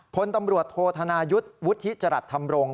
พลตำรวจโทษธนายุทธ์วุฒิจรัสธรรมรงค